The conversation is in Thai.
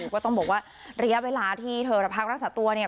ก็ต้องบอกว่าระยะเวลาที่เธอพักรักษาตัวเนี่ย